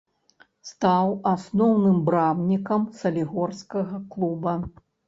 Стаў асноўным брамнікам салігорскага клуба.